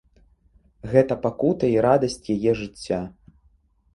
Гэта пакута й радасць яе жыцця.